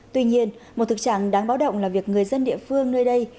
tuy nhiên một thực trạng đáng báo động là việc người dân địa phương nơi đây